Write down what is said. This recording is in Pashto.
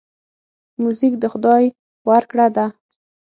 موزیک د خدای ورکړه ده.